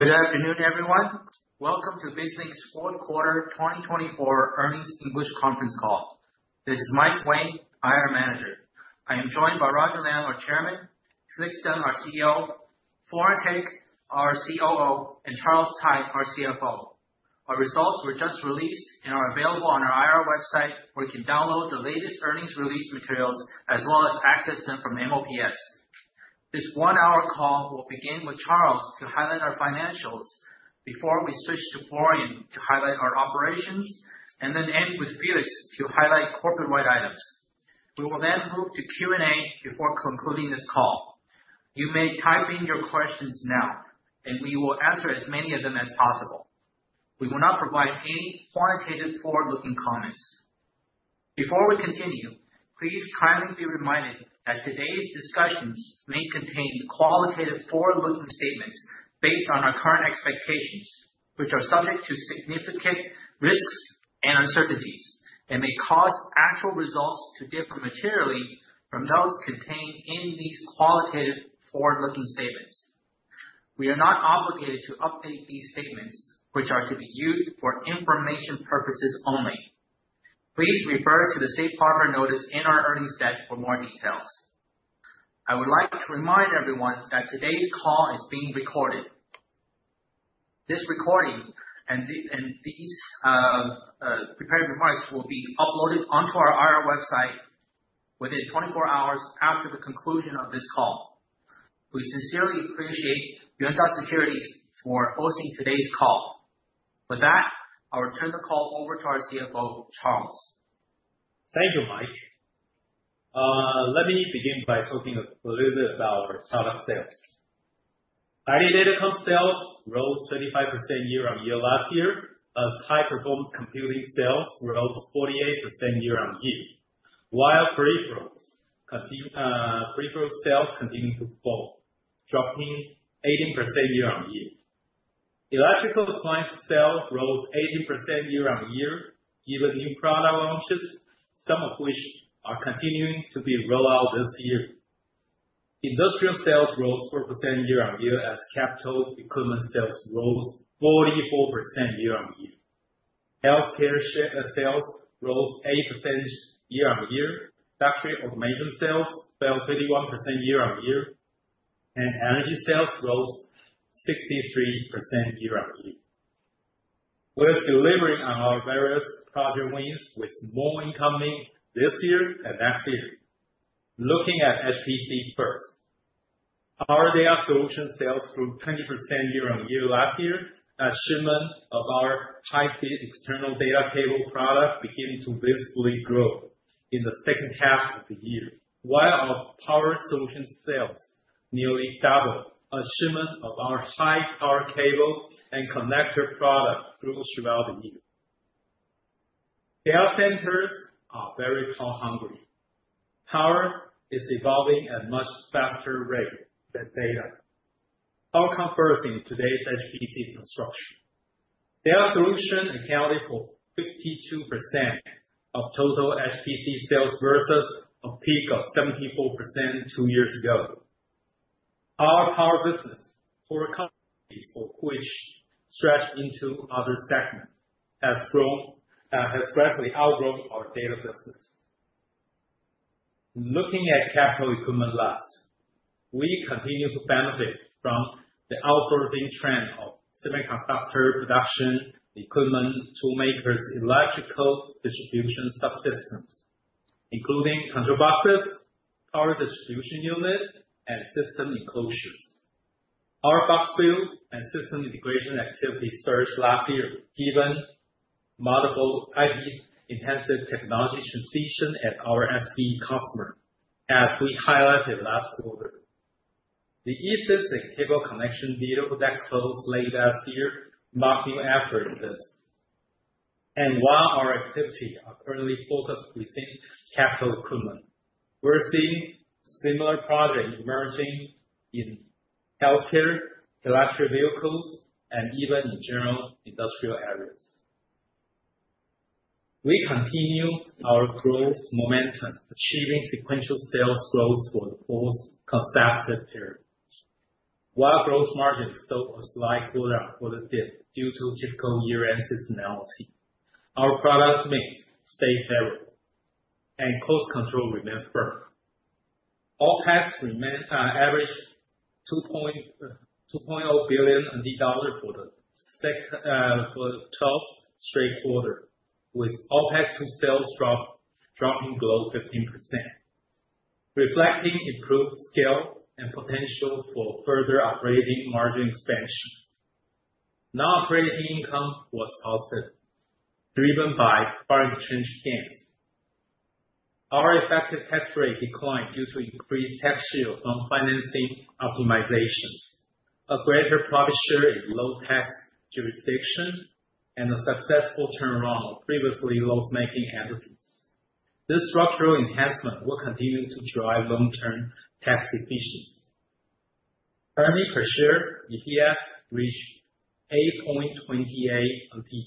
Good afternoon, everyone. Welcome to BizLink's fourth quarter 2024 earnings English conference call. This is Mike Wang, IR Manager. I am joined by Roger Liang, our Chairman; Felix Teng, our CEO; Florian Hettich, our COO; and Charles Tsai, our CFO. Our results were just released and are available on our IR website, where you can download the latest earnings release materials as well as access them from MOPS. This one-hour call will begin with Charles to highlight our financials before we switch to Florian to highlight our operations, and then end with Felix to highlight corporate-wide items. We will then move to Q&A before concluding this call. You may type in your questions now, and we will answer as many of them as possible. We will not provide any quantitative forward-looking comments. Before we continue, please kindly be reminded that today's discussions may contain qualitative forward-looking statements based on our current expectations, which are subject to significant risks and uncertainties and may cause actual results to differ materially from those contained in these qualitative forward-looking statements. We are not obligated to update these statements, which are to be used for information purposes only. Please refer to the Safe Harbor Notice in our earnings deck for more details. I would like to remind everyone that today's call is being recorded. This recording and these prepared remarks will be uploaded onto our IR website within 24 hours after the conclusion of this call. We sincerely appreciate Yuanta Securities for hosting today's call. With that, I'll return the call over to our CFO, Charles. Thank you, Mike. Let me begin by talking a little bit about our product sales. AI DataCom sales rose 35% year-on-year last year, as high-performance computing sales rose 48% year-on-year, while peripheral sales continued to fall, dropping 18% year-on-year. Electrical Appliance sales rose 18% year-on-year, given new product launches, some of which are continuing to be rolled out this year. Industrial sales rose 4% year-on-year, as Capital Equipment sales rose 44% year-on-year. Healthcare sales rose 8% year-on-year. Factory Automation sales fell 31% year-on-year, and Energy sales rose 63% year-on-year. We're delivering on our various project wins with more incoming this year and next year. Looking at HPC first, our Data Solution sales grew 20% year-on-year last year, as shipment of our high-speed external data cable product began to visibly grow in the second half of the year, while our Power Solution sales nearly doubled, as shipment of our high-power cable and connector product grew throughout the year. Data Centers are very cost-hungry. Power is evolving at a much faster rate than data. However, first in today's HPC construction, Data Solution accounted for 52% of total HPC sales versus a peak of 74% two years ago. Our Power business, which has stretched into other segments, has grown and has greatly outgrown our Data business. Looking at Capital Equipment Business, we continue to benefit from the outsourcing trend of semiconductor production equipment to make our electrical distribution subsystems, including control boxes, power distribution units, and system enclosures. Our box build and system integration activity surged last year, given multiple IP intensive technology transitions at our SPE customer, as we highlighted last quarter. The Easys and cable connection deal that closed late last year marked new effort in this. And while our activity is currently focused within capital equipment, we're seeing similar projects emerging in healthcare, electric vehicles, and even in general industrial areas. We continue our growth momentum, achieving sequential sales growth for the fourth consecutive period. While gross margins soared slightly quarter on quarter due to typical year-end seasonality, our product mix stayed favorable, and cost control remained firm. OpEx averaged $2.0 billion for the 12th straight quarter, with OpEx to sales dropping below 15%, reflecting improved scale and potential for further operating margin expansion. Non-operating income was positive, driven by foreign exchange gains. Our effective tax rate declined due to increased tax shield from financing optimizations, a greater profit share in low-tax jurisdiction, and a successful turnaround of previously loss-making entities. This structural enhancement will continue to drive long-term tax efficiency. Earnings per share (EPS) reached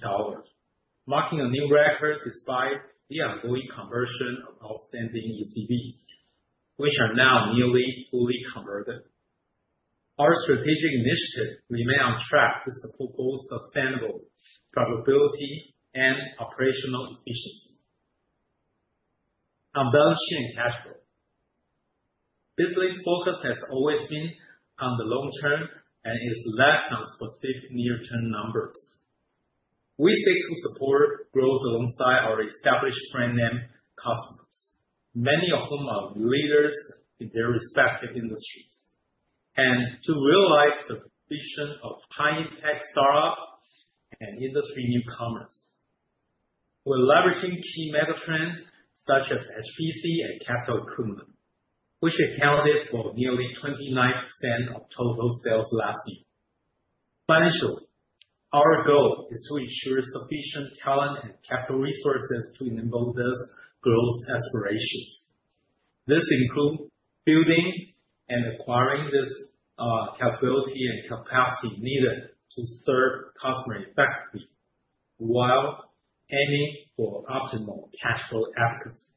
$8.28, marking a new record despite the ongoing conversion of outstanding ECBs, which are now nearly fully converted. Our strategic initiative remains on track to support both sustainable profitability and operational efficiency. On balance sheet and cash flow, BizLink's focus has always been on the long term and is less on specific near-term numbers. We seek to support growth alongside our established brand name customers, many of whom are leaders in their respective industries, and to realize the vision of high-tech startups and industry newcomers. We're leveraging key megatrends such as HPC and capital equipment, which accounted for nearly 29% of total sales last year. Financially, our goal is to ensure sufficient talent and capital resources to enable this growth aspirations. This includes building and acquiring this capability and capacity needed to serve customers effectively while aiming for optimal cash flow efficacy.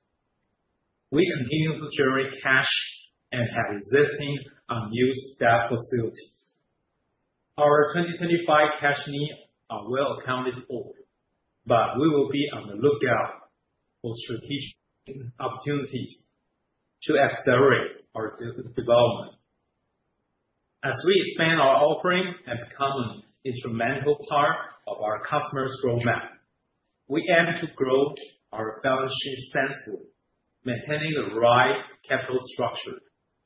We continue to generate cash and have existing unused data facilities. Our 2025 cash needs are well accounted for, but we will be on the lookout for strategic opportunities to accelerate our development. As we expand our offering and become an instrumental part of our customers' roadmap, we aim to grow our balance sheet sensibly, maintaining the right capital structure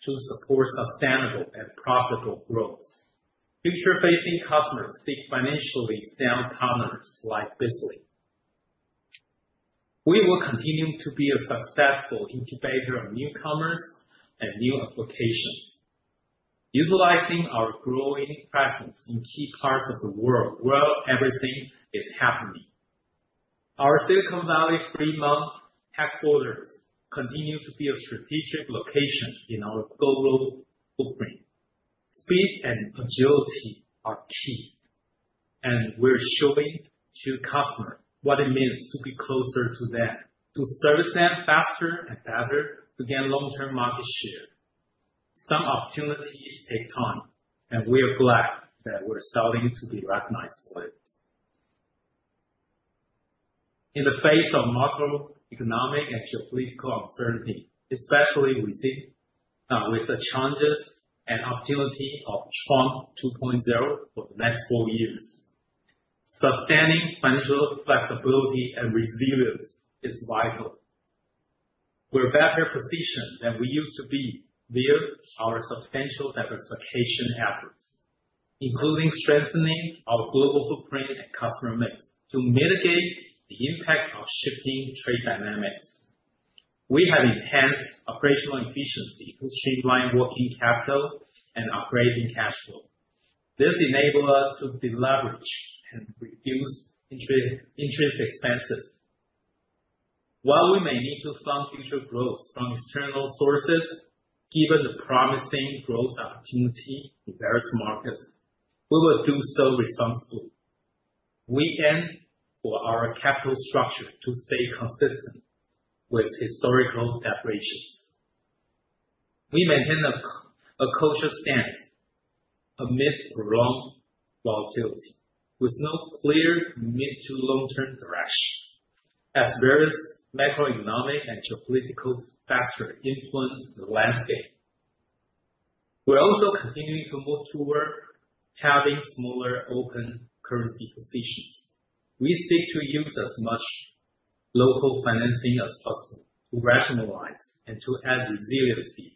to support sustainable and profitable growth. Future-facing customers seek financially sound partners like BizLink. We will continue to be a successful incubator of newcomers and new applications, utilizing our growing presence in key parts of the world where everything is happening. Our Silicon Valley Fremont tech quarters continue to be a strategic location in our global footprint. Speed and agility are key, and we're showing to customers what it means to be closer to them to service them faster and better to gain long-term market share. Some opportunities take time, and we are glad that we're starting to be recognized for it. In the face of macroeconomic and geopolitical uncertainty, especially with the challenges and opportunities of Trump 2.0 for the next four years, sustaining financial flexibility and resilience is vital. We're better positioned than we used to be via our substantial diversification efforts, including strengthening our global footprint and customer mix to mitigate the impact of shifting trade dynamics. We have enhanced operational efficiency to streamline working capital and upgrade in cash flow. This enables us to deleverage and reduce interest expenses. While we may need to fund future growth from external sources, given the promising growth opportunity in various markets, we will do so responsibly. We aim for our capital structure to stay consistent with historical operations. We maintain a cautious stance amid prolonged volatility, with no clear mid- to long-term direction, as various macroeconomic and geopolitical factors influence the landscape. We're also continuing to move toward having smaller open currency positions. We seek to use as much local financing as possible to rationalize and to add resiliency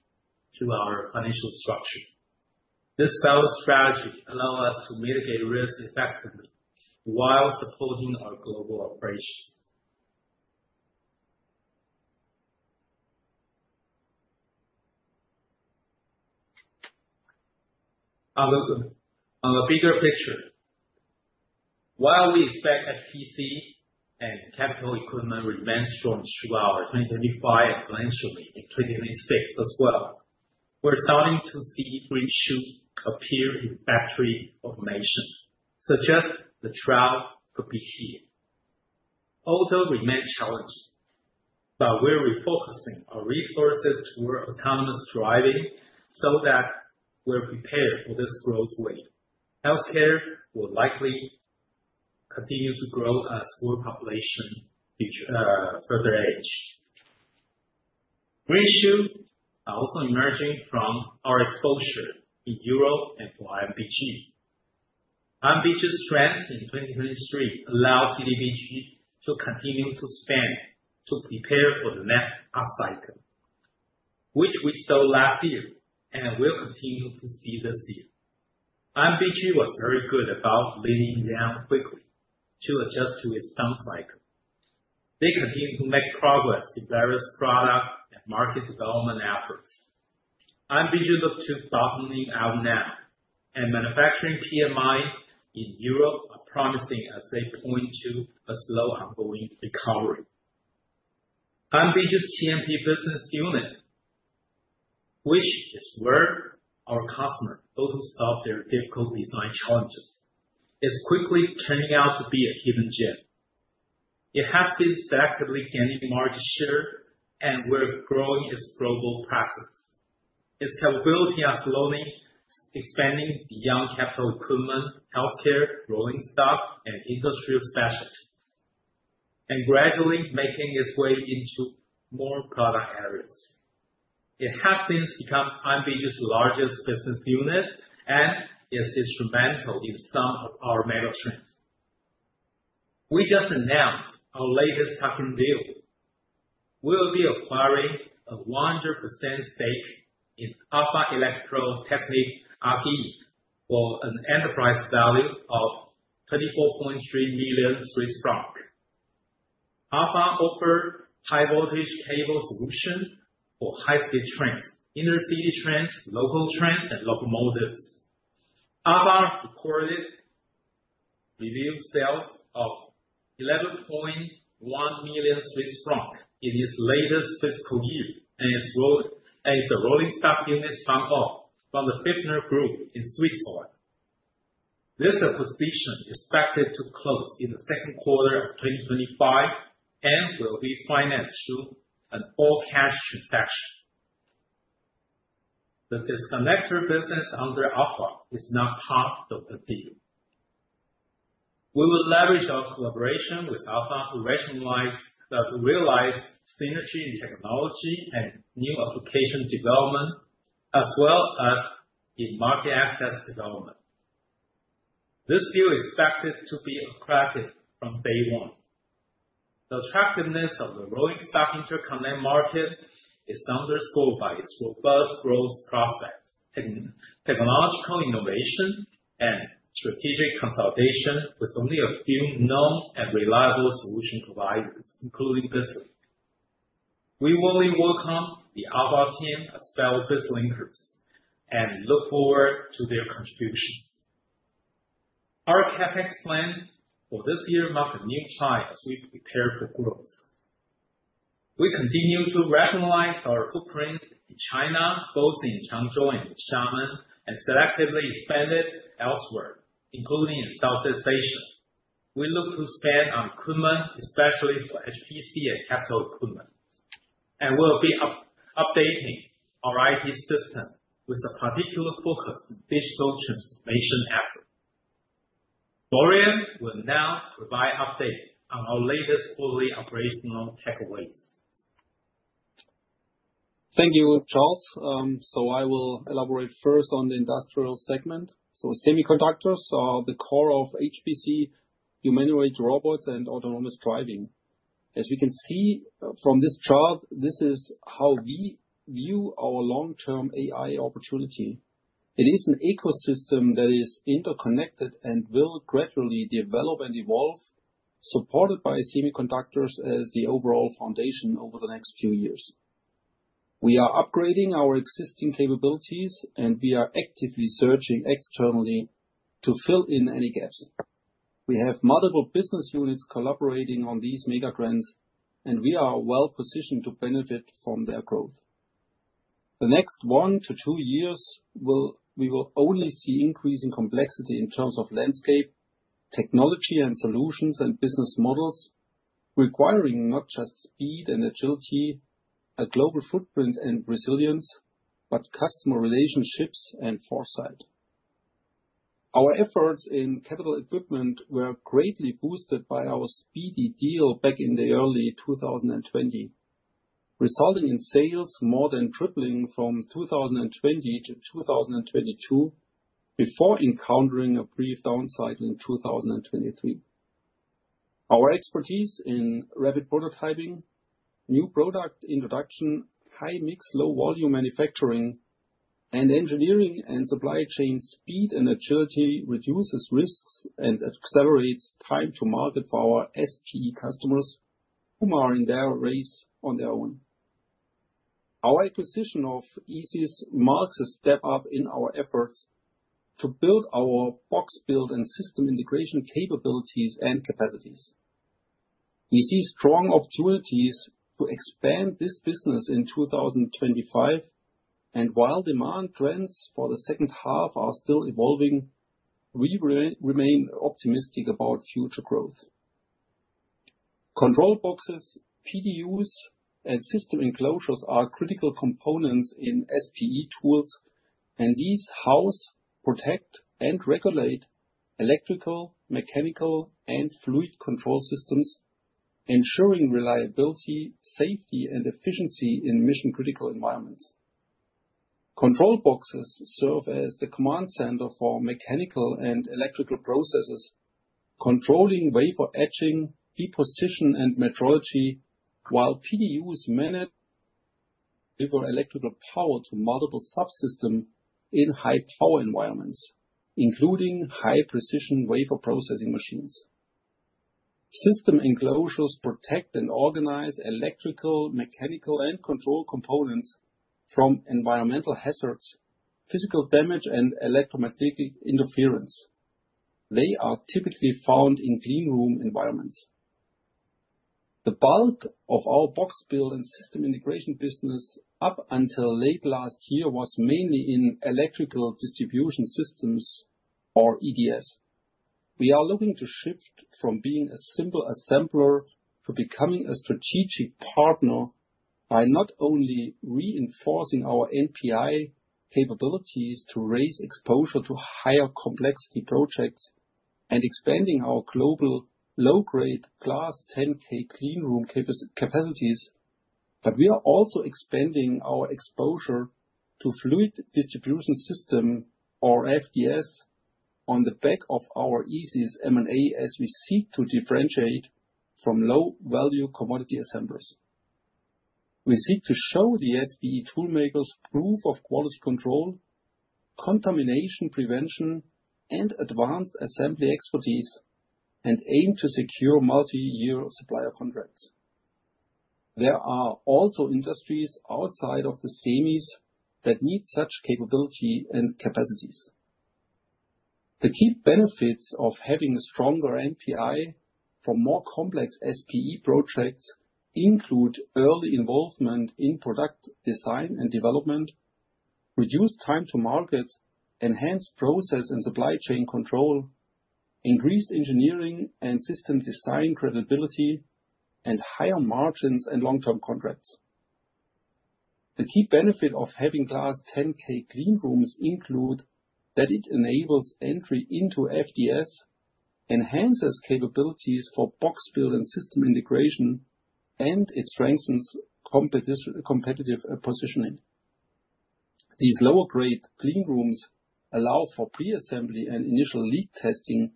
to our financial structure. This balanced strategy allows us to mitigate risks effectively while supporting our global operations. On a bigger picture, while we expect HPC and capital equipment remain strong throughout 2025 and financially in 2026 as well, we're starting to see green shoots appear in factory automation, suggesting the trough could be here. Although it remains challenging, we're refocusing our resources toward autonomous driving so that we're prepared for this growth wave. Healthcare will likely continue to grow as world population further ages. Green shoots are also emerging from our exposure in Europe and for INBG. INBG's strengths in 2023 allow CTBG to continue to spend to prepare for the next up cycle, which we saw last year and will continue to see this year. INBG was very good about leading them quickly to adjust to its down cycle. They continue to make progress in various product and market development efforts. INBG looks to be bottoming out now, and manufacturing PMI in Europe are promising as they point to a slow ongoing recovery. INBG's TMP business unit, which is where our customers go to solve their difficult design challenges, is quickly turning out to be a hidden gem. It has been selectively gaining margin share, and we're growing its global presence. Its capability has slowly expanded beyond capital equipment, healthcare, rolling stock, and industrial specialties, and gradually making its way into more product areas. It has since become INBG's largest business unit, and it's instrumental in some of our megatrends. We just announced our latest tuck-in deal. We will be acquiring a 100% stake in Alpha Elektrotechnik AG for an enterprise value of $34.3 million. Alpha offers high-voltage cable solutions for high-speed trains, intercity trains, local trains, and locomotives. Alpha recorded sales of $11.1 million in its latest fiscal year and is a rolling stock unit spun off from the Pfiffner Group in Switzerland. This acquisition is expected to close in the second quarter of 2025 and will be financed through an all-cash transaction. The disconnector business under Alpha is now part of the deal. We will leverage our collaboration with Alpha to realize synergy in technology and new application development, as well as in market access development. This deal is expected to be attractive from day one. The attractiveness of the rolling stock interconnect market is underscored by its robust growth prospects, technological innovation, and strategic consolidation with only a few known and reliable solution providers, including BizLink. We warmly welcome the Alpha team as well as BizLinkers and look forward to their contributions. Our CapEx plan for this year marks a new high as we prepare for growth. We continue to rationalize our footprint in China, both in Zhengzhou and Xiamen, and selectively expanded elsewhere, including in Southeast Asia. We look to spend on equipment, especially for HPC and capital equipment, and we'll be updating our IT system with a particular focus on digital transformation efforts. Florian will now provide updates on our latest quarterly operational takeaways. Thank you, Charles. So I will elaborate first on the industrial segment. So semiconductors are the core of HPC, humanoid robots, and autonomous driving. As we can see from this chart, this is how we view our long-term AI opportunity. It is an ecosystem that is interconnected and will gradually develop and evolve, supported by semiconductors as the overall foundation over the next few years. We are upgrading our existing capabilities, and we are actively searching externally to fill in any gaps. We have multiple business units collaborating on these megatrends, and we are well-positioned to benefit from their growth. The next one to two years, we will only see increasing complexity in terms of landscape, technology, and solutions and business models, requiring not just speed and agility, a global footprint and resilience, but customer relationships and foresight. Our efforts in capital equipment were greatly boosted by our Speedy deal back in the early 2020, resulting in sales more than tripling from 2020 to 2022 before encountering a brief down cycle in 2023. Our expertise in rapid prototyping, new product introduction, high-mix, low-volume manufacturing, and engineering and supply chain speed and agility reduces risks and accelerates time to market for our SPE customers who are in their race on their own. Our acquisition of Easys marks a step up in our efforts to build our box build and system integration capabilities and capacities. We see strong opportunities to expand this business in 2025, and while demand trends for the second half are still evolving, we remain optimistic about future growth. Control boxes, PDUs, and system enclosures are critical components in SPE tools, and these house, protect, and regulate electrical, mechanical, and fluid control systems, ensuring reliability, safety, and efficiency in mission-critical environments. Control boxes serve as the command center for mechanical and electrical processes, controlling wafer etching, deposition, and metrology, while PDUs manage electrical power to multiple subsystems in high-power environments, including high-precision wafer processing machines. System enclosures protect and organize electrical, mechanical, and control components from environmental hazards, physical damage, and electromagnetic interference. They are typically found in cleanroom environments. The bulk of our box build and system integration business up until late last year was mainly in electrical distribution systems, or EDS. We are looking to shift from being a simple assembler to becoming a strategic partner by not only reinforcing our NPI capabilities to raise exposure to higher complexity projects and expanding our global low-grade Class 10K Cleanroom capacities, but we are also expanding our exposure to fluid distribution systems, or FDS, on the back of our Easys M&A as we seek to differentiate from low-value commodity assemblers. We seek to show the SPE toolmakers proof of quality control, contamination prevention, and advanced assembly expertise, and aim to secure multi-year supplier contracts. There are also industries outside of the semis that need such capability and capacities. The key benefits of having a stronger NPI for more complex SPE projects include early involvement in product design and development, reduced time to market, enhanced process and supply chain control, increased engineering and system design credibility, and higher margins and long-term contracts. The key benefit of having Class 10K Cleanrooms includes that it enables entry into FDS, enhances capabilities for Box Build and system integration, and it strengthens competitive positioning. These lower-grade cleanrooms allow for pre-assembly and initial leak testing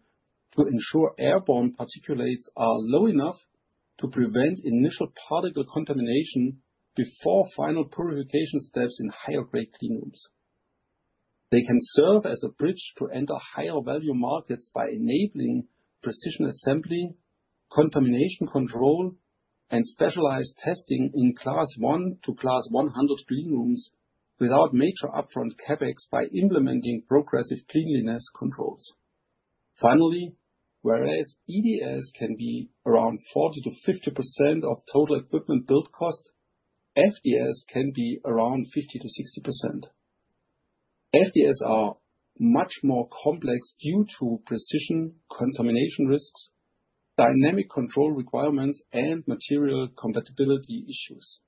to ensure airborne particulates are low enough to prevent initial particle contamination before final purification steps in higher-grade cleanrooms. They can serve as a bridge to enter higher-value markets by enabling precision assembly, contamination control, and specialized testing in Class 1 to Class 100 Cleanrooms without major upfront CapEx by implementing progressive cleanliness controls. Finally, whereas EDS can be around 40%-50% of total equipment build cost, FDS can be around 50%-60%. FDS are much more complex due to precision contamination risks, dynamic control requirements, and material compatibility issues.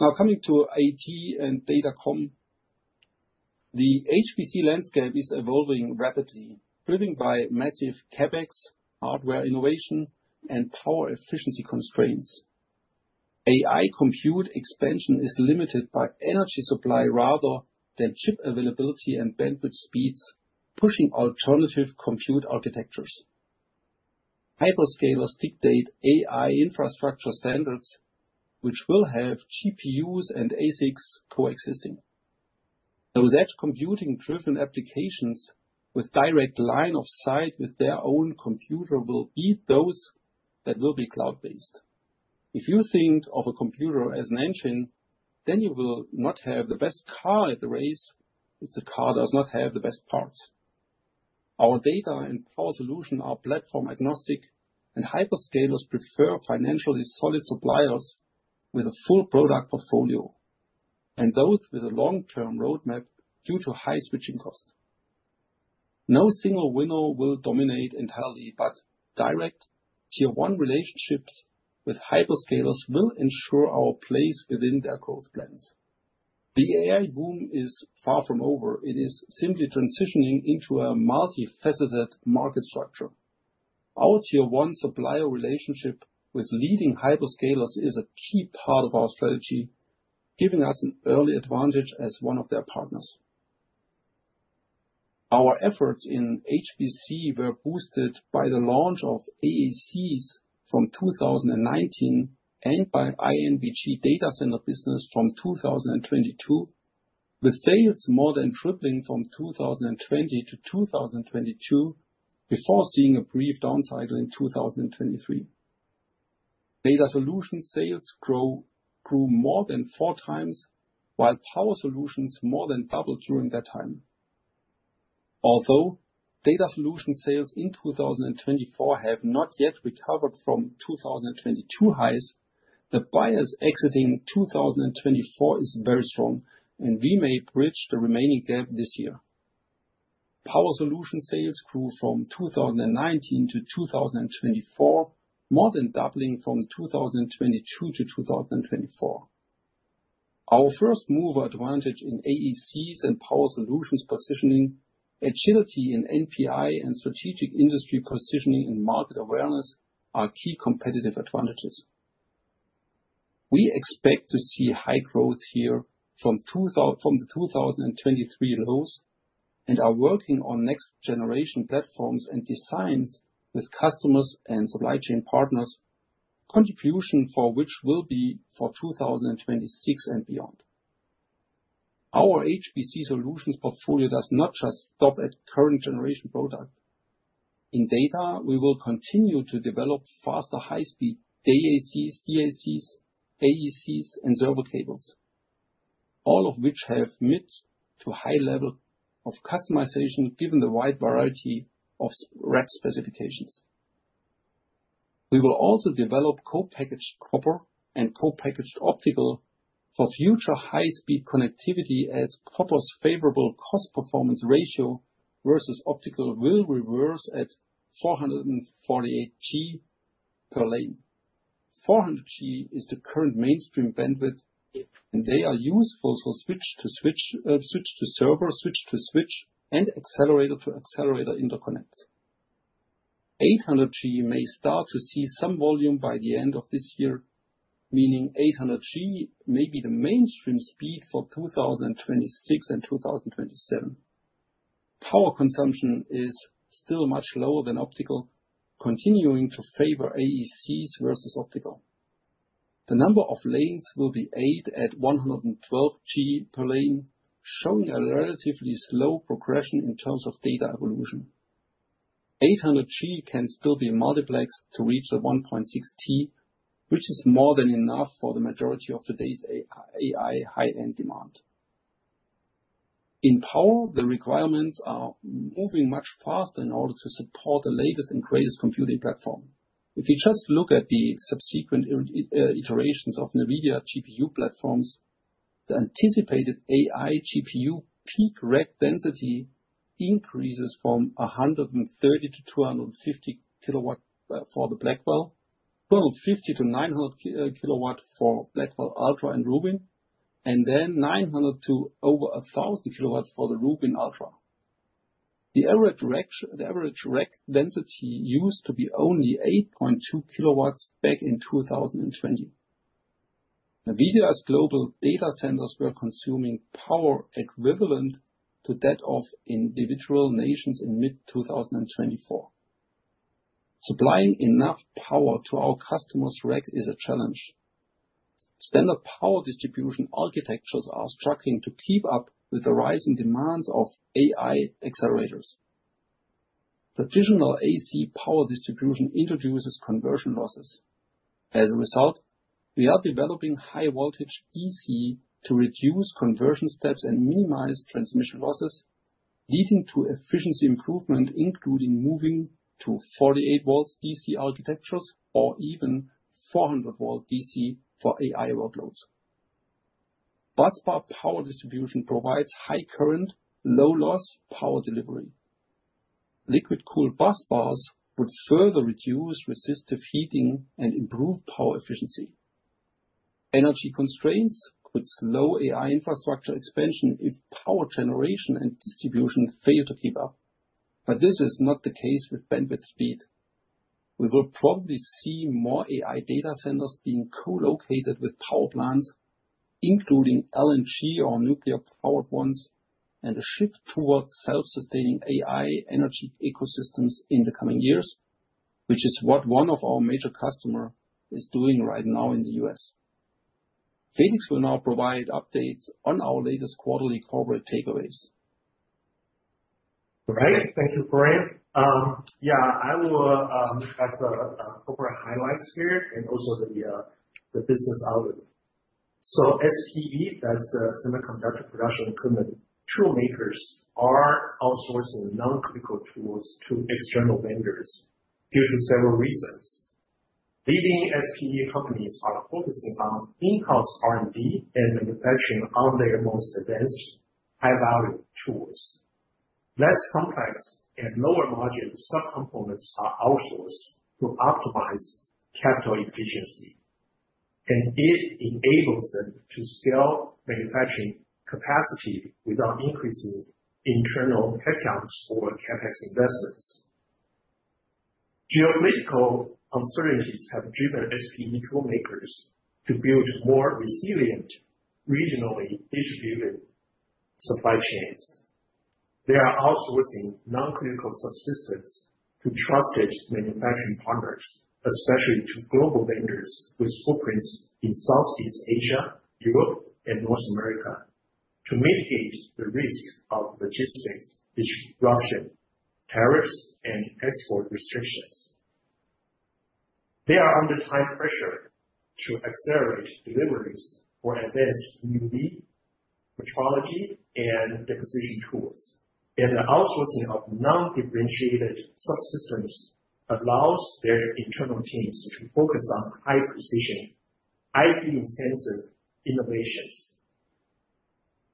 Now coming to IT and data comm, the HPC landscape is evolving rapidly, driven by massive CapEx, hardware innovation, and power efficiency constraints. AI compute expansion is limited by energy supply rather than chip availability and bandwidth speeds, pushing alternative compute architectures. Hyperscalers dictate AI infrastructure standards, which will have GPUs and ASICs coexisting. Those edge computing-driven applications with direct line of sight with their own computer will be those that will be cloud-based. If you think of a computer as an engine, then you will not have the best car at the race if the car does not have the best parts. Our data and power solutions are platform agnostic, and hyperscalers prefer financially solid suppliers with a full product portfolio, and those with a long-term roadmap due to high switching cost. No single winner will dominate entirely, but direct tier-one relationships with hyperscalers will ensure our place within their growth plans. The AI boom is far from over. It is simply transitioning into a multifaceted market structure. Our tier-one supplier relationship with leading hyperscalers is a key part of our strategy, giving us an early advantage as one of their partners. Our efforts in HPC were boosted by the launch of AECs from 2019 and by INBG data center business from 2022, with sales more than tripling from 2020 to 2022 before seeing a brief down cycle in 2023. Data solutions sales grew more than four times, while power solutions more than doubled during that time. Although data solution sales in 2024 have not yet recovered from 2022 highs, the bias exiting 2024 is very strong, and we may bridge the remaining gap this year. Power solution sales grew from 2019 to 2024, more than doubling from 2022 to 2024. Our first mover advantage in AECs and power solutions positioning, agility in NPI, and strategic industry positioning and market awareness are key competitive advantages. We expect to see high growth here from the 2023 lows and are working on next-generation platforms and designs with customers and supply chain partners, contribution for which will be for 2026 and beyond. Our HPC solutions portfolio does not just stop at current-generation product. In data, we will continue to develop faster high-speed DACs, AOCs, AECs, and server cables, all of which have mid- to high-level of customization given the wide variety of RAC specifications. We will also develop co-packaged copper and co-packaged optical for future high-speed connectivity as copper's favorable cost-performance ratio versus optical will reverse at 448G per lane. 400G is the current mainstream bandwidth, and they are useful for switch-to-switch, switch-to-server, switch-to-switch, and accelerator-to-accelerator interconnects. 800G may start to see some volume by the end of this year, meaning 800G may be the mainstream speed for 2026 and 2027. Power consumption is still much lower than optical, continuing to favor AECs versus optical. The number of lanes will be eight at 112G per lane, showing a relatively slow progression in terms of data evolution. 800G can still be multiplexed to reach the 1.6T, which is more than enough for the majority of today's AI high-end demand. In power, the requirements are moving much faster in order to support the latest and greatest computing platform. If you just look at the subsequent iterations of NVIDIA GPU platforms, the anticipated AI GPU peak rack density increases from 130 to 250 kilowatts for the Blackwell, 250 to 900 kilowatts for Blackwell Ultra and Rubin, and then 900 to over 1000 kilowatts for the Rubin Ultra. The average rack density used to be only 8.2 kilowatts back in 2020. NVIDIA's global data centers were consuming power equivalent to that of individual nations in mid-2024. Supplying enough power to our customers' racks is a challenge. Standard power distribution architectures are struggling to keep up with the rising demands of AI accelerators. Traditional DAC power distribution introduces conversion losses. As a result, we are developing high-voltage DC to reduce conversion steps and minimize transmission losses, leading to efficiency improvement, including moving to 48-volt DC architectures or even 400-volt DC for AI workloads. Busbar power distribution provides high current, low-loss power delivery. Liquid-cooled busbars would further reduce resistive heating and improve power efficiency. Energy constraints could slow AI infrastructure expansion if power generation and distribution fail to keep up, but this is not the case with bandwidth speed. We will probably see more AI data centers being co-located with power plants, including LNG or nuclear-powered ones, and a shift towards self-sustaining AI energy ecosystems in the coming years, which is what one of our major customers is doing right now in the U.S. Felix will now provide updates on our latest quarterly corporate takeaways. Right, thank you, Brian. Yeah, I will have the corporate highlights here and also the business outlook. So SPE, that's Semiconductor Production Equipment. Toolmakers are outsourcing non-critical tools to external vendors due to several reasons. Leading SPE companies are focusing on in-house R&D and manufacturing on their most advanced, high-value tools. Less complex and lower-margin sub-components are outsourced to optimize capital efficiency, and it enables them to scale manufacturing capacity without increasing internal headcounts or CapEx investments. Geopolitical uncertainties have driven SPE toolmakers to build more resilient, regionally distributed supply chains. They are outsourcing non-critical subsystems to trusted manufacturing partners, especially to global vendors with footprints in Southeast Asia, Europe, and North America, to mitigate the risk of logistics disruption, tariffs, and export restrictions. They are under time pressure to accelerate deliveries for advanced EUV metrology and deposition tools, and the outsourcing of non-differentiated subsystems allows their internal teams to focus on high-precision, IP-intensive innovations.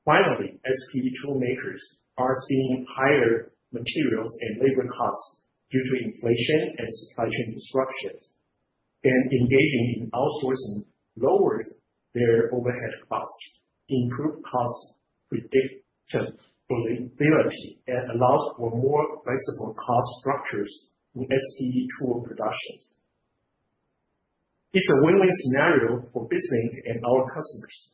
Finally, SPE toolmakers are seeing higher materials and labor costs due to inflation and supply chain disruptions, and engaging in outsourcing lowers their overhead costs, improves cost predictability, and allows for more flexible cost structures in SPE tool productions. It's a win-win scenario for BizLink and our customers.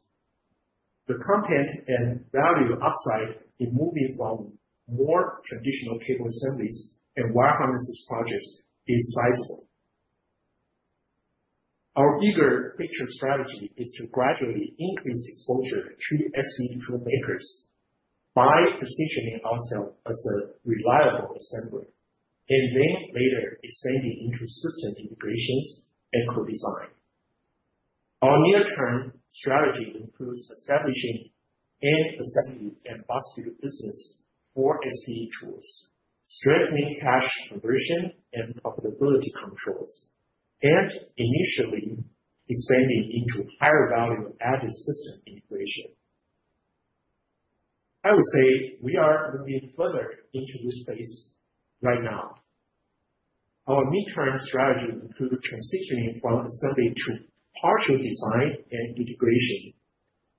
The content and value upside in moving from more traditional cable assemblies and wire harnesses projects is sizable. Our bigger picture strategy is to gradually increase exposure to SPE toolmakers by positioning ourselves as a reliable assembler, and then later expanding into system integrations and co-design. Our near-term strategy includes establishing an assembly and box build business for SPE tools, strengthening cash conversion and profitability controls, and initially expanding into higher-value added system integration. I would say we are moving further into this space right now. Our mid-term strategy includes transitioning from assembly to partial design and integration,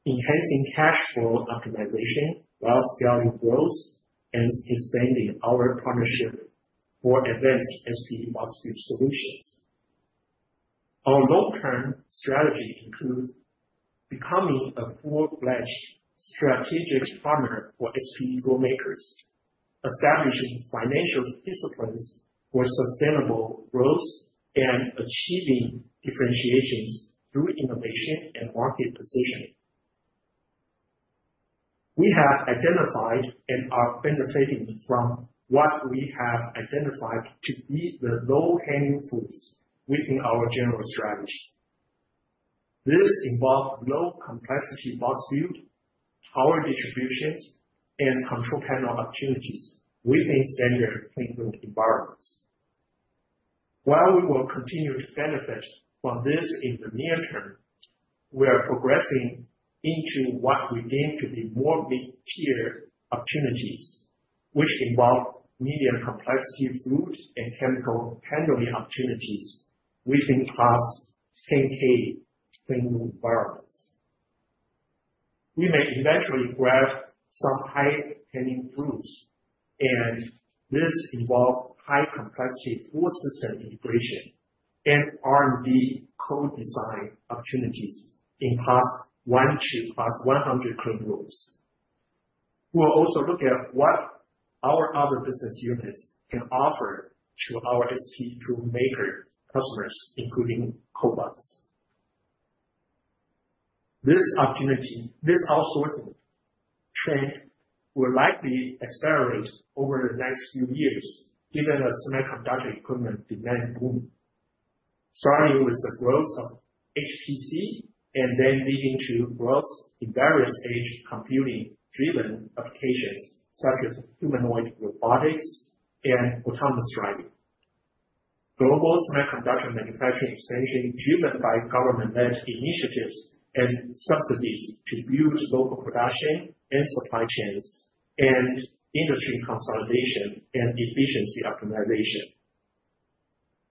enhancing cash flow optimization while scaling growth and expanding our partnership for advanced SPE box build solutions. Our long-term strategy includes becoming a full-fledged strategic partner for SPE toolmakers, establishing financial disciplines for sustainable growth, and achieving differentiations through innovation and market positioning. We have identified and are benefiting from what we have identified to be the low-hanging fruits within our general strategy. This involves low-complexity box build, power distributions, and control panel opportunities within standard maintenance environments. While we will continue to benefit from this in the near term, we are progressing into what we deem to be more mid-tier opportunities, which involve medium-complexity fluid and chemical handling opportunities within class 10K cleanroom environments. We may eventually grab some high-hanging fruits, and this involves high-complexity full system integration and R&D co-design opportunities in class 1 to class 100 cleanrooms. We'll also look at what our other business units can offer to our SPE toolmaker customers, including cobots. This outsourcing trend will likely accelerate over the next few years, given the semiconductor equipment demand boom, starting with the growth of HPC and then leading to growth in various AI computing-driven applications such as humanoid robotics and autonomous driving. Global semiconductor manufacturing expansion driven by government-led initiatives and subsidies to build local production and supply chains, and industry consolidation and efficiency optimization.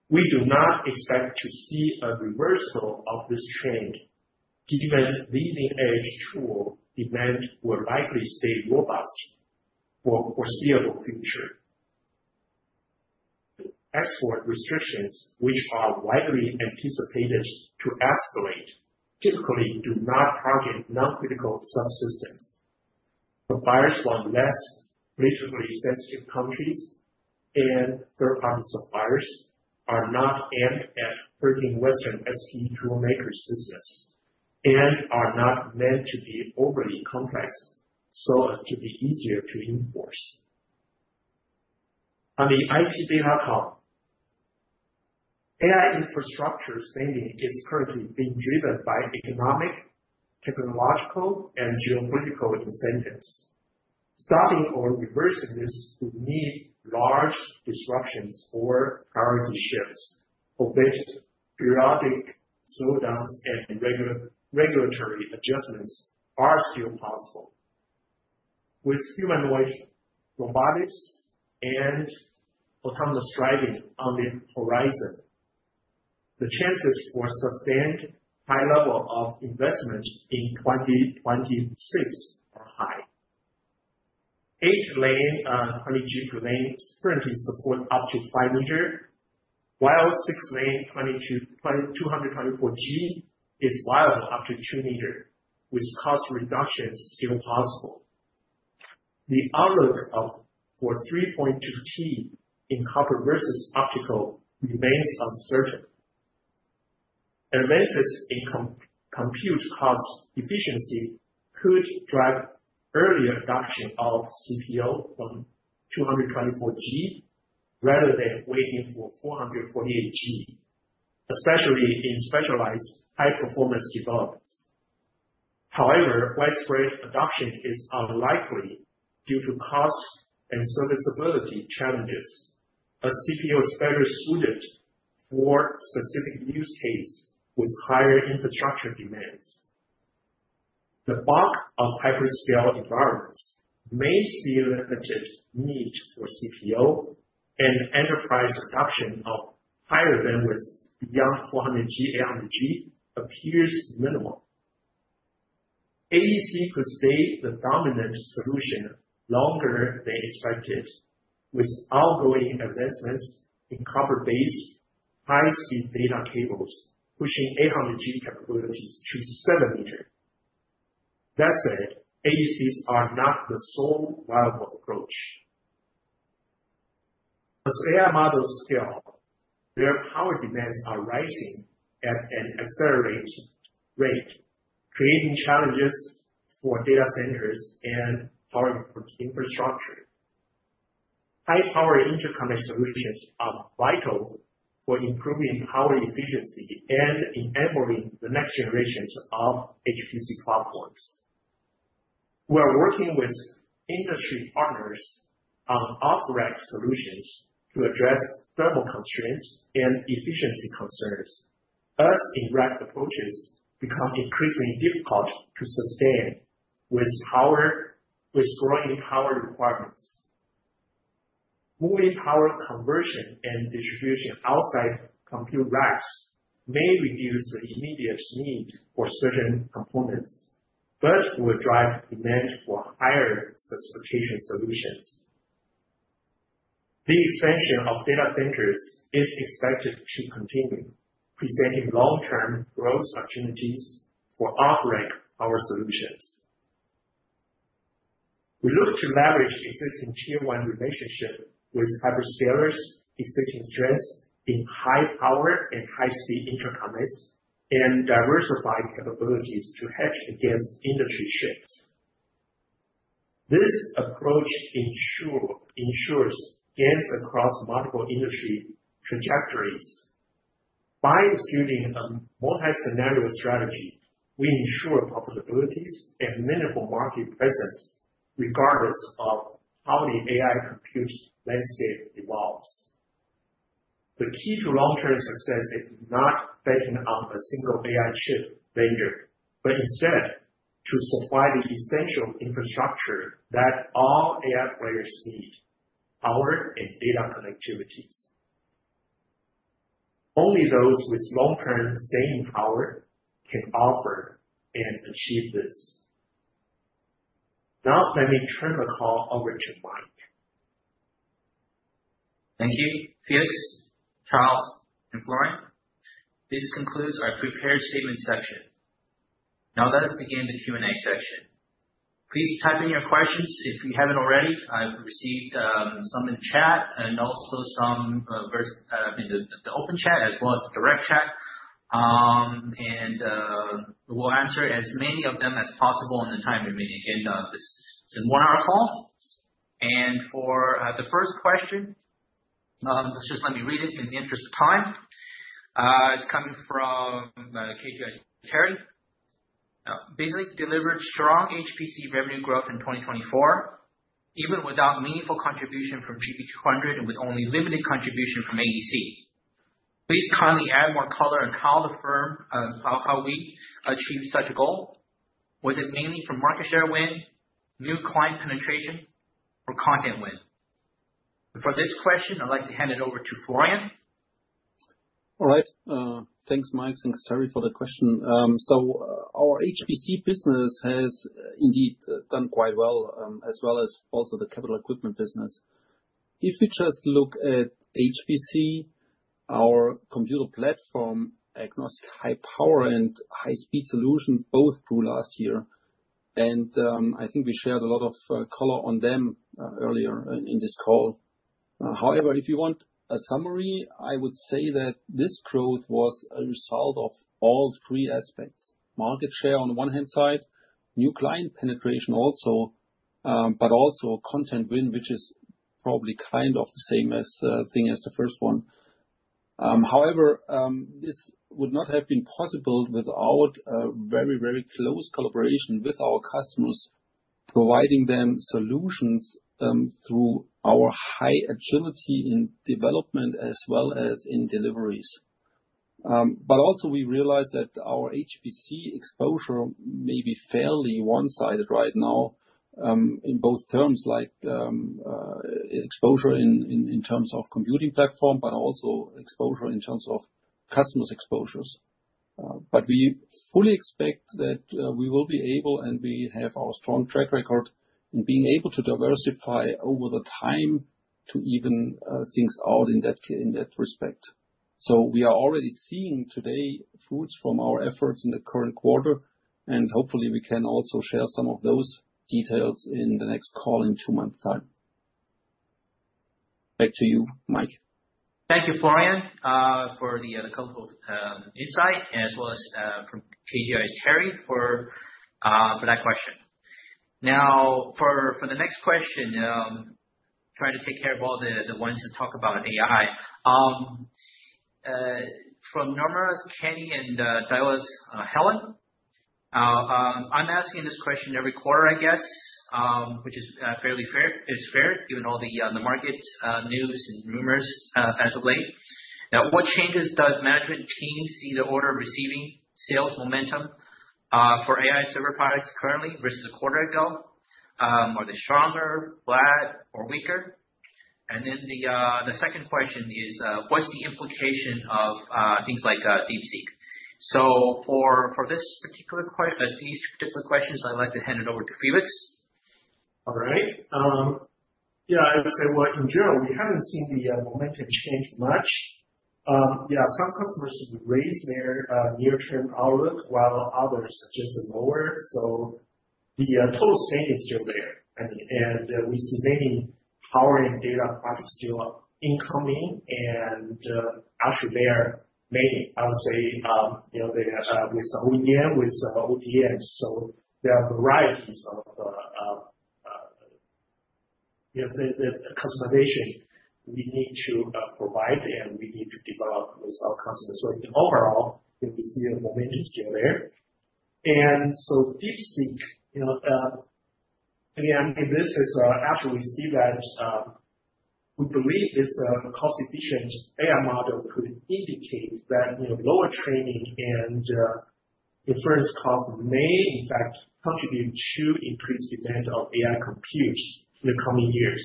We do not expect to see a reversal of this trend, given leading-edge tool demand will likely stay robust for the foreseeable future. Export restrictions, which are widely anticipated to escalate, typically do not target non-critical subsystems. Suppliers from less politically sensitive countries and third-party suppliers are not aimed at hurting Western SPE toolmakers' business and are not meant to be overly complex so as to be easier to enforce. On the IT and DataCom, AI infrastructure spending is currently being driven by economic, technological, and geopolitical incentives. Stopping or reversing this would need large disruptions or priority shifts, albeit periodic slowdowns and regulatory adjustments are still possible. With humanoid robotics and autonomous driving on the horizon, the chances for sustained high level of investment in 2026 are high. 8-lane 20G lanes currently support up to 5m, while 6-lane 224G is viable up to 2m, with cost reductions still possible. The outlook for 3.2T in copper versus optical remains uncertain. Advances in compute cost efficiency could drive earlier adoption of CPO from 224G rather than waiting for 448G, especially in specialized high-performance developments. However, widespread adoption is unlikely due to cost and serviceability challenges, as CPO is better suited for specific use cases with higher infrastructure demands. The bulk of hyperscale environments may see limited need for CPO, and enterprise adoption of higher bandwidth beyond 400G AEC appears minimal. AEC could stay the dominant solution longer than expected, with ongoing advancements in copper-based high-speed data cables pushing 800G capabilities to 7m. That said, AECs are not the sole viable approach. As AI models scale, their power demands are rising at an accelerating rate, creating challenges for data centers and power infrastructure. High-power interconnect solutions are vital for improving power efficiency and enabling the next generations of HPC platforms. We are working with industry partners on off-rack solutions to address thermal constraints and efficiency concerns, as in-rack approaches become increasingly difficult to sustain with growing power requirements. Moving power conversion and distribution outside compute racks may reduce the immediate need for certain components, but will drive demand for higher specification solutions. The expansion of data centers is expected to continue, presenting long-term growth opportunities for off-rack power solutions. We look to leverage existing tier-one relationships with hyperscalers, existing strengths in high-power and high-speed interconnects, and diversify capabilities to hedge against industry shifts. This approach ensures gains across multiple industry trajectories. By executing a multi-scenario strategy, we ensure profitabilities and meaningful market presence regardless of how the AI compute landscape evolves. The key to long-term success is not betting on a single AI chip vendor, but instead to supply the essential infrastructure that all AI players need: power and data connectivities. Only those with long-term staying power can offer and achieve this. Now, let me turn the call over to Mike. Thank you, Felix, Charles, and Florian. This concludes our prepared statement section. Now, let us begin the Q&A section. Please type in your questions if you haven't already. I've received some in the chat and also some in the open chat as well as the direct chat. And we'll answer as many of them as possible in the time we may need to end this one-hour call. And for the first question, let's just let me read it in the interest of time. It's coming from KGI's Terry. BizLink delivered strong HPC revenue growth in 2024, even without meaningful contribution from GB200 and with only limited contribution from AEC. Please kindly add more color on how we achieved such a goal. Was it mainly from market share win, new client penetration, or content win? For this question, I'd like to hand it over to Florian. All right. Thanks, Mike. Thanks, Terry, for the question. Our HPC business has indeed done quite well, as well as also the capital equipment business. If we just look at HPC, our platform-agnostic high power and high-speed solutions both grew last year. And I think we shared a lot of color on them earlier in this call. However, if you want a summary, I would say that this growth was a result of all three aspects: market share on one hand, new client penetration also, but also content win, which is probably kind of the same thing as the first one. However, this would not have been possible without a very, very close collaboration with our customers, providing them solutions through our high agility in development as well as in deliveries. But also, we realized that our HPC exposure may be fairly one-sided right now in both terms, like exposure in terms of computing platform, but also exposure in terms of customers' exposures. But we fully expect that we will be able, and we have our strong track record in being able to diversify over the time to even things out in that respect. So we are already seeing today fruits from our efforts in the current quarter, and hopefully, we can also share some of those details in the next call in two months' time. Back to you, Mike. Thank you, Florian, for the colorful insight, as well as from KGI, Terry, for that question. Now, for the next question, trying to take care of all the ones that talk about AI. From Nomura, Kenny, and Daiwa, Helen, I'm asking this question every quarter, I guess, which is fairly fair, given all the market news and rumors as of late. What changes does the management team see in the order of receiving sales momentum for AI server products currently versus a quarter ago? Are they stronger, flat, or weaker? And then the second question is, what's the implication of things like DeepSeek? So for these particular questions, I'd like to hand it over to Felix. All right. Yeah, I would say, well, in general, we haven't seen the momentum change much. Yeah, some customers raised their near-term outlook, while others suggested lower. So the total spend is still there. And we see many power and data projects still incoming, and actually, they are many, I would say, with OEM, with ODMs. There are varieties of customization we need to provide, and we need to develop with our customers. Overall, we see a momentum still there. DeepSeek, again, I mean, this is actually we see that we believe this cost-efficient AI model could indicate that lower training and inference cost may, in fact, contribute to increased demand of AI compute in the coming years.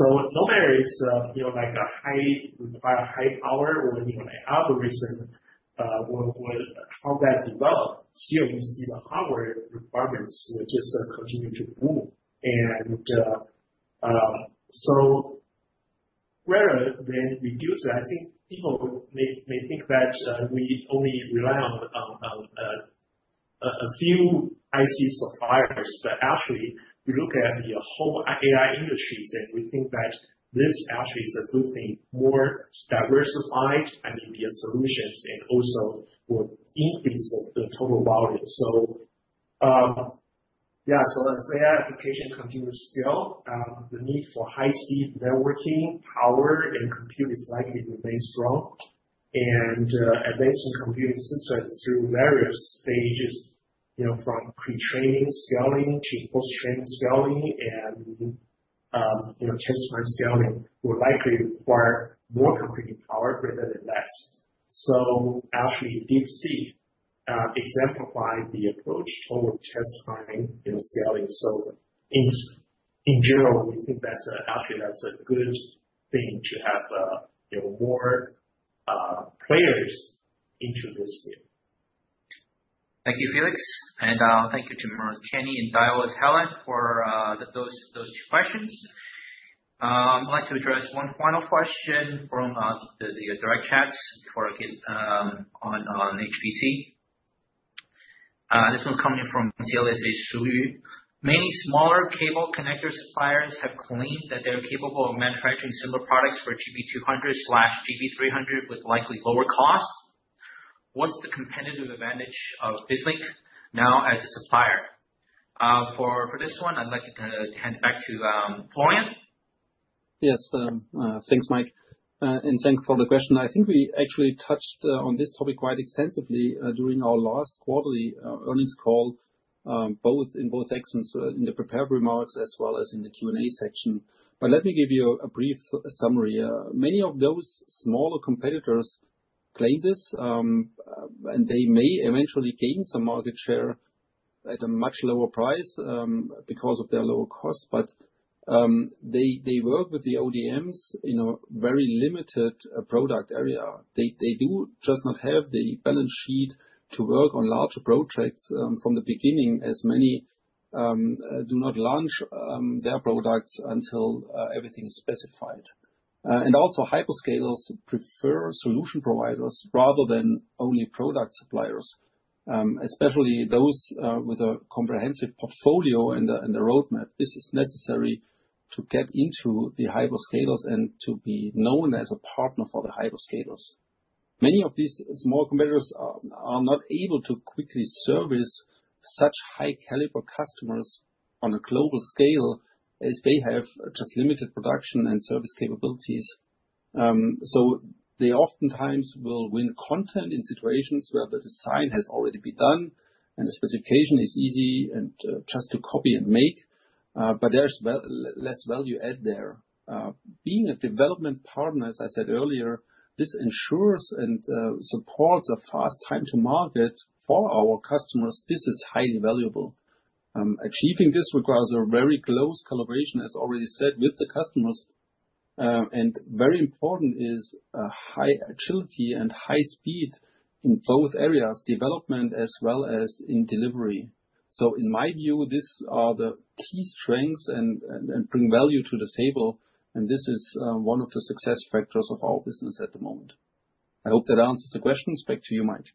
No matter it's like a high-required high power or anyone like algorithm or how that develops, still we see the hardware requirements will just continue to grow. Rather than reduce, I think people may think that we only rely on a few IC suppliers, but actually, we look at the whole AI industry, and we think that this actually is a good thing. More diversified, I mean, the solutions and also will increase the total volume. So yeah, so as AI applications continue to scale, the need for high-speed networking, power, and compute is likely to remain strong. And advancing computing systems through various stages, from pre-training scaling to post-training scaling and test time scaling, will likely require more computing power rather than less. So actually, DeepSeek exemplifies the approach toward test time scaling. So in general, we think that's actually a good thing to have more players into this field. Thank you, Felix. And thank you to Nomura, Kenny, and Daiwa, Helen for those two questions. I'd like to address one final question from the direct chats before I get on HPC. This one's coming from Alice Su. Many smaller cable connector suppliers have claimed that they're capable of manufacturing similar products for GB200/GB300 with likely lower cost. What's the competitive advantage of BizLink now as a supplier? For this one, I'd like to hand it back to Florian. Yes, thanks, Mike. And thank you for the question. I think we actually touched on this topic quite extensively during our last quarterly earnings call, in both sections, in the prepared remarks as well as in the Q&A section. But let me give you a brief summary. Many of those smaller competitors claim this, and they may eventually gain some market share at a much lower price because of their lower cost, but they work with the ODMs in a very limited product area. They do just not have the balance sheet to work on larger projects from the beginning, as many do not launch their products until everything is specified. And also, hyperscalers prefer solution providers rather than only product suppliers, especially those with a comprehensive portfolio and a roadmap. This is necessary to get into the hyperscalers and to be known as a partner for the hyperscalers. Many of these small competitors are not able to quickly service such high-caliber customers on a global scale as they have just limited production and service capabilities. So they oftentimes will win content in situations where the design has already been done and the specification is easy and just to copy and make, but there's less value add there. Being a development partner, as I said earlier, this ensures and supports a fast time to market for our customers. This is highly valuable. Achieving this requires a very close collaboration, as already said, with the customers, and very important is high agility and high speed in both areas, development as well as in delivery, so in my view, these are the key strengths and bring value to the table. This is one of the success factors of our business at the moment. I hope that answers the questions. Back to you, Mike.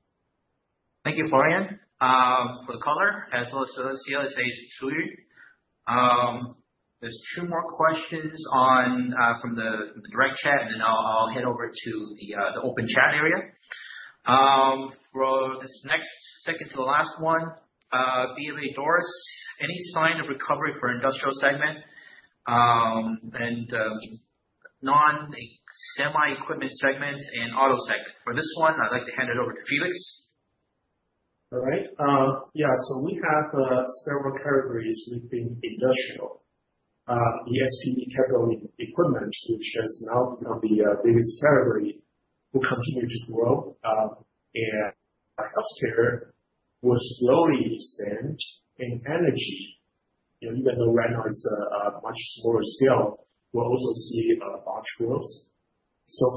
Thank you, Florian, for the color as well as MasterLink Alice Su. There's two more questions from the direct chat, and then I'll head over to the open chat area. For this next second to the last one, BofA Doris, any sign of recovery for industrial segment and non-semi-equipment segment and auto segment? For this one, I'd like to hand it over to Felix. All right. Yeah, so we have several categories within industrial. The SPE capital equipment, which has now become the biggest category, will continue to grow. Healthcare will slowly expand, and energy, even though right now it's a much smaller scale, will also see a robust growth.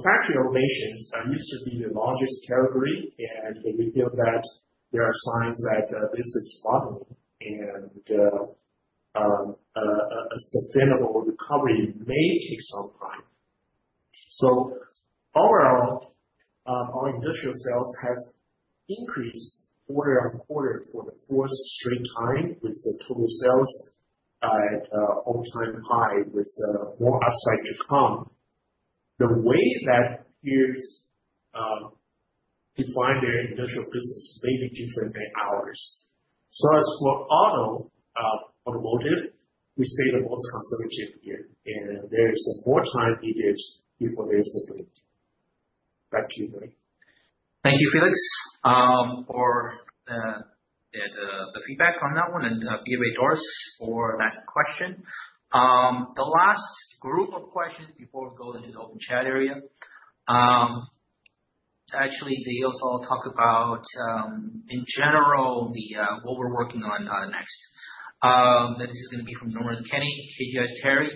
Factory automations used to be the largest category, and we feel that there are signs that this is bottoming, and a sustainable recovery may take some time. Overall, our industrial sales have increased quarter on quarter for the fourth straight time, with the total sales at all-time high, with more upside to come. The way that peers define their industrial business may be different than ours. As for automotive, we stay the most conservative here, and there is more time needed before there's a break. Back to you, Mike. Thank you, Felix, for the feedback on that one and BofA Doris for that question. The last group of questions before we go into the open chat area. Actually, they also talk about, in general, what we're working on next. This is going to be from Nomura's Kenny, KGI's Terry,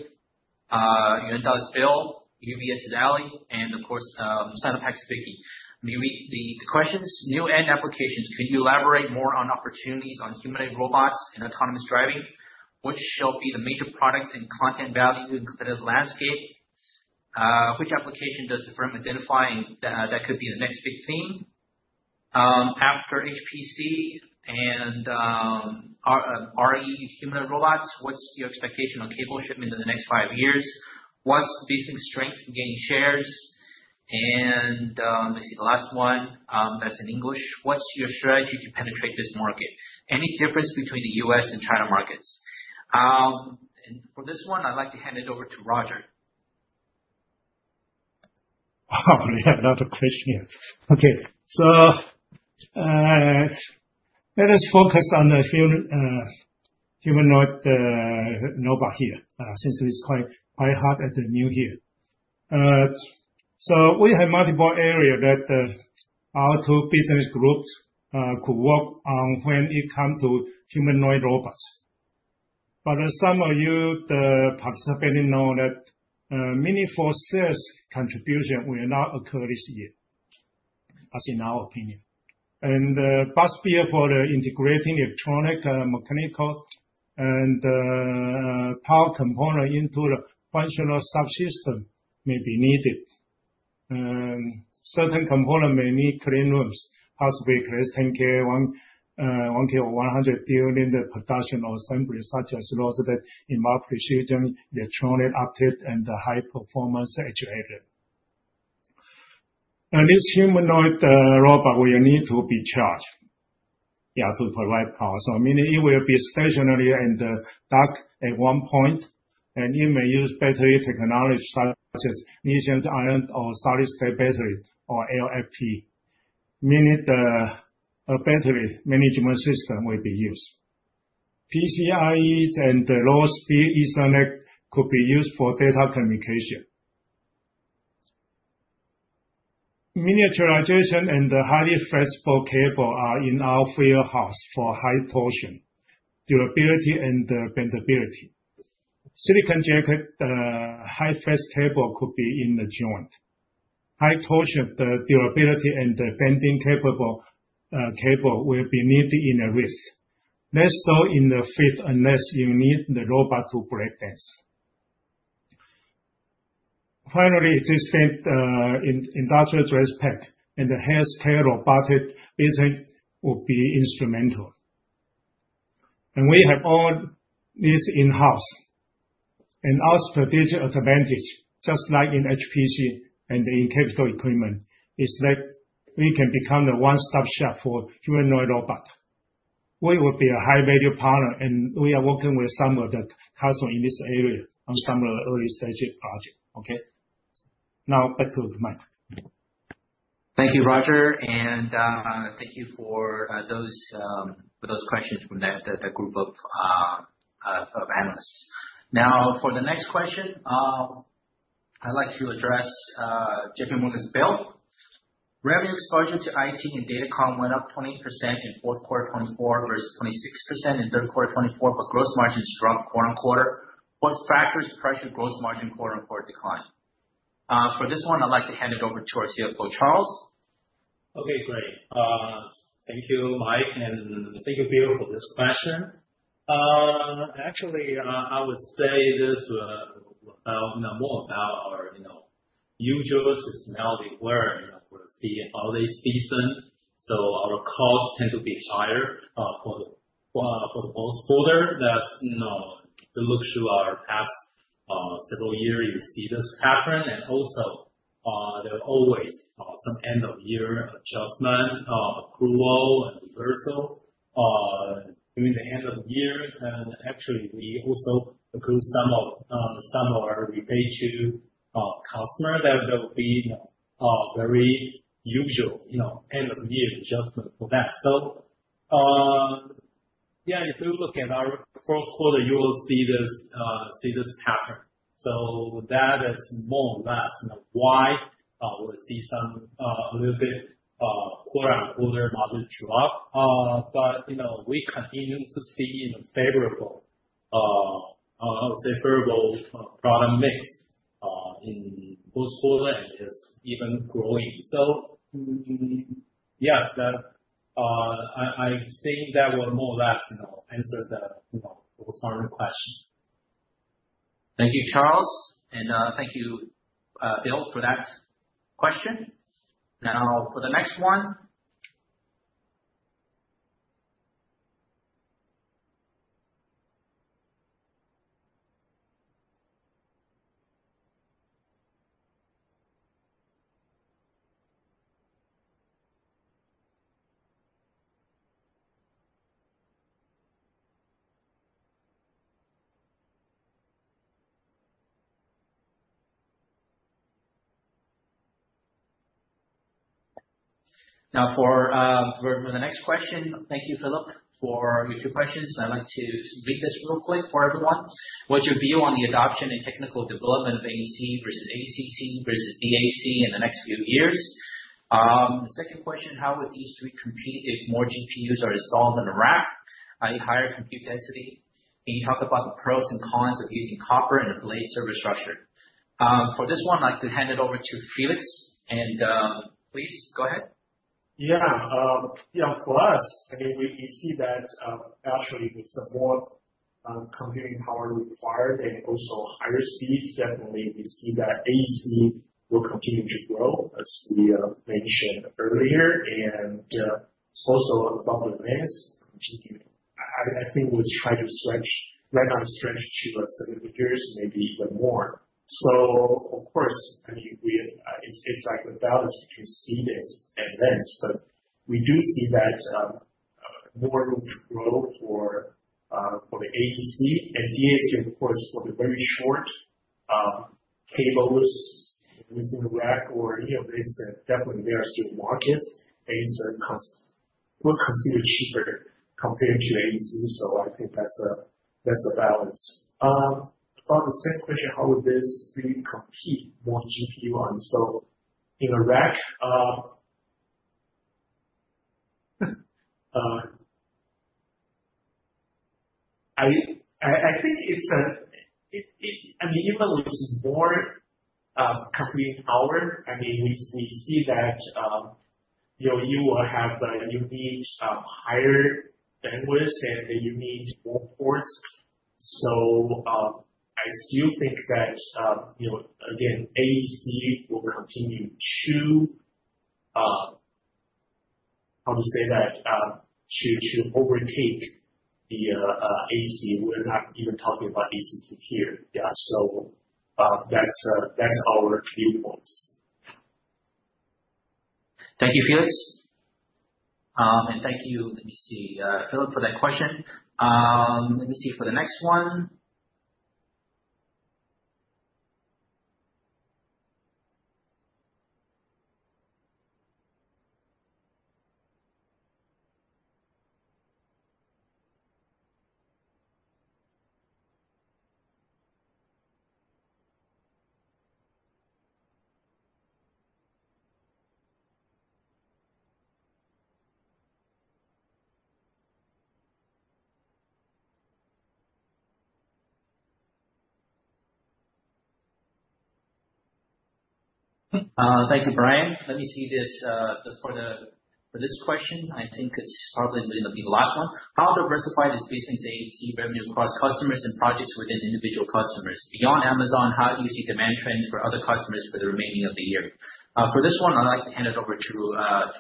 and Yuanta's Bill, UBS's Ally, and of course, SinoPac's Vicky. The questions, new end applications, can you elaborate more on opportunities on humanoid robots and autonomous driving? What shall be the major products and content value in the competitive landscape? Which application does the firm identify that could be the next big theme? After HPC and RE humanoid robots, what's your expectation on cable shipment in the next five years? What's BizLink's strength in gaining shares? And let's see, the last one that's in English. What's your strategy to penetrate this market? Any difference between the US and China markets? And for this one, I'd like to hand it over to Roger. We have another question here. Okay. So let us focus on the humanoid robot here since it's quite hot and new here. So we have multiple areas that our two business groups could work on when it comes to humanoid robots. But some of you, the participants, know that many full-scale contributions will not occur this year, as in our opinion. And busbars for the integrating electronic, mechanical, and power component into the functional subsystem may be needed. Certain components may need clean rooms, possibly less than 10K or 100K units of production or assembly, such as robotics, in bulk precision, electro-optic, and high-performance actuator. And this humanoid robot will need to be charged, yeah, to provide power. So meaning it will be stationary and docked at one point, and it may use battery technology such as lithium-ion or solid-state battery or LFP, meaning the battery management system will be used. PCIe and low-speed Ethernet could be used for data communication. Miniaturization and highly flexible cable are in our warehouse for high torsion, durability, and bendability. Silicone jacket high-flex cable could be in the joint. High torsion, durability, and bending capable cable will be needed in a wrist, less so in the fifth unless you need the robot to break dance. Finally, existing industrial dress pack and the healthcare robotic business will be instrumental, and we have all this in-house. Our strategic advantage, just like in HPC and in capital equipment, is that we can become the one-stop shop for humanoid robot. We will be a high-value partner, and we are working with some of the customers in this area on some of the early-stage projects. Okay? Now, back to Mike. Thank you, Roger, and thank you for those questions from that group of analysts. Now, for the next question, I'd like to address J.P. Morgan's Bill. Revenue exposure to IT and data comm went up 20% in fourth quarter 2024 versus 26% in third quarter 2024, but gross margins dropped quarter on quarter. What factors pressure gross margin "declined"? For this one, I'd like to hand it over to our CFO, Charles. Okay, great. Thank you, Mike. And thank you, Bill, for this question. Actually, I would say this is more about our usual seasonality where we'll see an early season. So our costs tend to be higher for the post-quarter. That's held true to our past several years. You see this pattern. And also, there are always some end-of-year adjustment, accrual, and reversal during the end of the year. And actually, we also accrue some of our rebate to customers. That will be very usual end-of-year adjustment for that. So yeah, if you look at our fourth quarter, you will see this pattern. So that is more or less why we'll see a little bit quarter on quarter margin drop. But we continue to see a favorable, I would say, favorable product mix in post-quarter and is even growing. So yes, I think that will more or less answer the post-quarter question. Thank you, Charles. And thank you, Bill, for that question. Now, for the next one. Now, for the next question, thank you, Philip, for your two questions. I'd like to read this real quick for everyone. What's your view on the adoption and technical development of AEC versus ACC versus DAC in the next few years? The second question, how would these three compete if more GPUs are installed in a rack? Higher compute density. Can you talk about the pros and cons of using copper in a blade server structure? For this one, I'd like to hand it over to Felix. And please go ahead. Yeah. Yeah, for us, I mean, we see that actually with some more computing power required and also higher speeds, definitely we see that AEC will continue to grow, as we mentioned earlier. And also AOC, continuing. I think we'll try right now to stretch to seven figures, maybe even more. So of course, I mean, it's like the balance between speed and length, but we do see more room to grow for the AEC. And DAC, of course, for the very short cables within a rack or any of these, definitely they are still markets. They are considered cheaper compared to AEC. So I think that's a balance. About the second question, how would these three compete more GPU on? So, in a rack, I think it's a, I mean, even with more computing power, I mean, we see that you will have a unique higher bandwidth and unique more ports. So I still think that, again, AEC will continue to, how do you say that, to overtake the DAC? We're not even talking about ACC here. Yeah. So that's our viewpoints. Thank you, Felix. And thank you, let me see, Philip, for that question. Let me see for the next one. Thank you, Brian. Let me see this for this question. I think it's probably going to be the last one. How diversified is BizLink's AEC revenue across customers and projects within individual customers? Beyond Amazon, how do you see demand trends for other customers for the remaining of the year? For this one, I'd like to hand it over to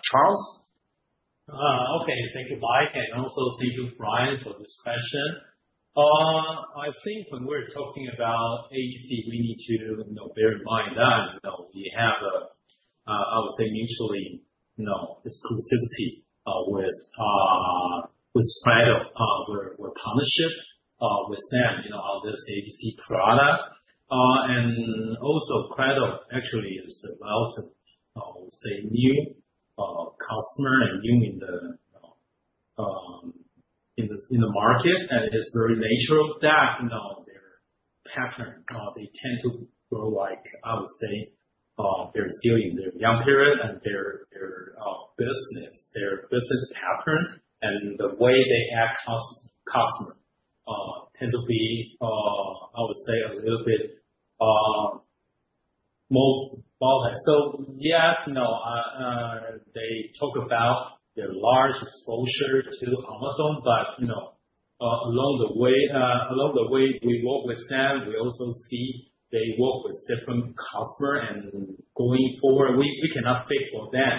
Charles. Okay. Thank you, Mike. And also thank you, Brian, for this question. I think when we're talking about AEC, we need to bear in mind that we have, I would say, mutual exclusivity with Credo. We're partnership with them on this AEC product. And also, Credo actually is a relatively, I would say, new customer and new in the market. And it's very natural that their pattern, they tend to grow, I would say, they're still in their young period and their business pattern and the way they attract customers tend to be, I would say, a little bit more volatile. So yes, no, they talk about their large exposure to Amazon, but along the way, we work with them. We also see they work with different customers. And going forward, we cannot bet on them.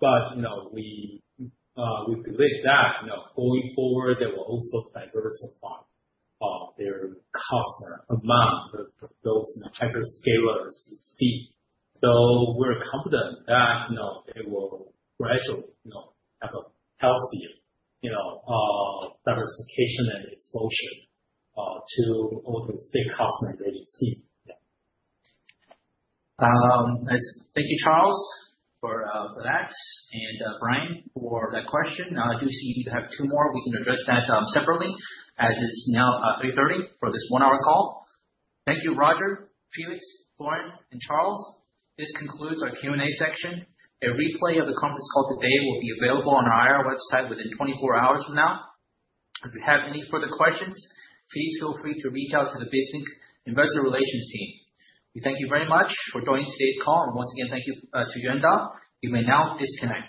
But we believe that going forward, they will also diversify their customers among those hyperscalers you see. So we're confident that they will gradually have a healthier diversification and exposure to all those big customers that you see. Thank you, Charles, for that, and Brian for that question. I do see you have two more. We can address that separately as it's now 3:30 P.M. for this one-hour call. Thank you, Roger, Felix, Florin, and Charles. This concludes our Q&A section. A replay of the conference call today will be available on our IR website within 24 hours from now. If you have any further questions, please feel free to reach out to the BizLink investor relations team. We thank you very much for joining today's call. And once again, thank you to Yuanta. You may now disconnect.